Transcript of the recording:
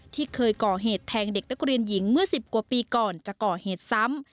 ที่เคยก่อเหตุแทงเด็กนักเรียนหญิงเมื่อ๑๐กว่าปีก่อนจะก่อเหตุซ้ำ